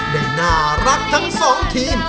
ได้น่ารักทั้งสองทีม